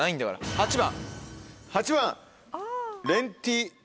８番。